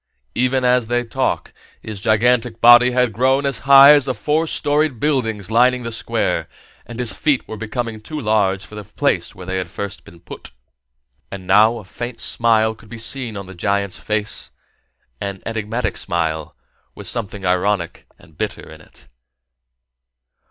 Even as they talked, his gigantic body had grown as high as the four storied buildings lining the Square, and his feet were becoming too large for the place where they had first been put. And now a faint smile could be seen on the giant's face, an enigmatic smile, with something ironic and bitter in it.